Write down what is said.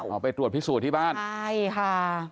เอาไปตรวจพิสูจน์ที่บ้านใช่ค่ะ